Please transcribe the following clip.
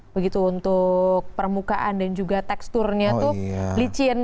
begitu untuk permukaan dan juga teksturnya itu licin